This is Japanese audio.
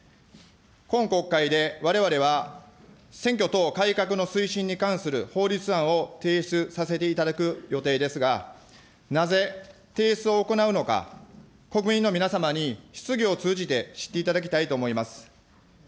今国会でわれわれは、選挙等改革の推進に関する法律案を提出させていただく予定ですが、なぜ提出を行うのか、国民の皆様に質疑を通じて知っていただきたいと思います。